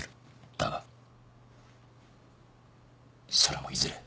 だがそれもいずれ。